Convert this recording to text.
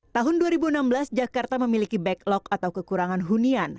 tahun dua ribu enam belas jakarta memiliki backlog atau kekurangan hunian